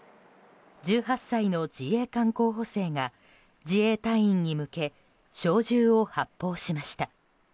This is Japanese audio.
１８歳の自衛官候補生が自衛隊員に向け小銃を発砲しました。